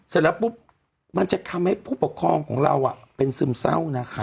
เสร็จแล้วปุ๊บมันจะทำให้ผู้ปกครองของเราเป็นซึมเศร้านะคะ